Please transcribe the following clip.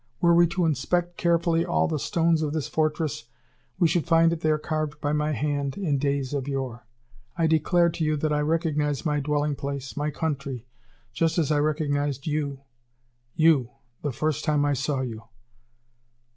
Were we to inspect carefully all the stones of this fortress, we should find it there carved by my hand in days of yore! I declare to you that I recognize my dwelling place, my country, just as I recognized you, you, the first time I saw you!"